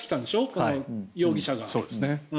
この容疑者が。